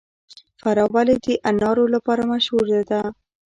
فراه ولې د انارو لپاره مشهوره ده؟